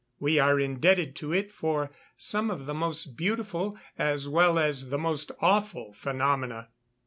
We are indebted to it for some of the most beautiful, as well as the most awful, phenomena.